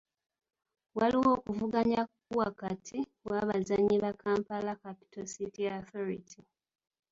Waliwo okuvuganya wakati w'abazannyi ba Kampala Capital City Authority.